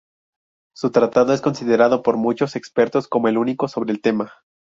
Su tratado es considerado por muchos expertos como el único sobre el tema.